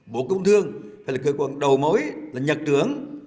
bộ công thương phải là cơ quan đầu mối là nhật trưởng